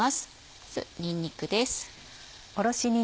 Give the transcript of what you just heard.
まずにんにくです。